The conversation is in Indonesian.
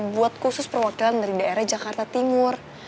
buat khusus perwakilan dari daerah jakarta timur